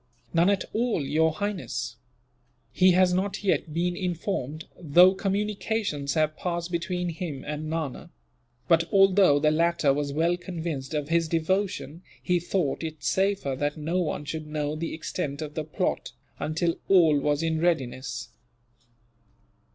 "None at all, Your Highness. He has not yet been informed, though communications have passed between him and Nana. But, although the latter was well convinced of his devotion, he thought it safer that no one should know the extent of the plot, until all was in readiness."